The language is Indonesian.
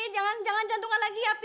jangan jantungan lagi ya pi